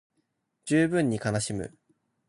十分に悲しむ